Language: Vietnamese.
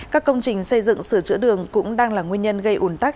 các công trình xây dựng sửa chữa đường cũng đang là nguyên nhân gây ủn tắc